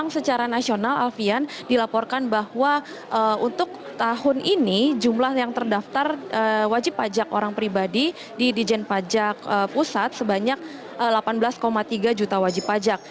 secara nasional alfian dilaporkan bahwa untuk tahun ini jumlah yang terdaftar wajib pajak orang pribadi di dijen pajak pusat sebanyak delapan belas tiga juta wajib pajak